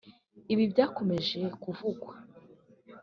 Ibi byakomeje kuvugwa